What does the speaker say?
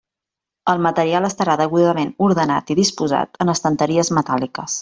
El material estarà degudament ordenat i disposat en estanteries metàl·liques.